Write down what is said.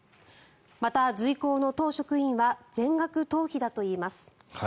また、随行の党職員は全額党費だといいます。